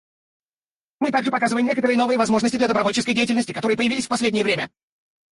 Мы также показываем некоторые новые возможности для добровольческой деятельности, которые появились в последнее время.